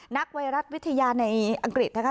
ไวรัสวิทยาในอังกฤษนะคะ